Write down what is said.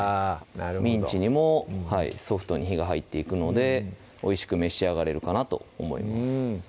なるほどミンチにもソフトに火が入っていくのでおいしく召し上がれるかなと思います